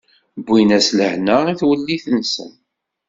Wwin-as lehna i twellit-nsen.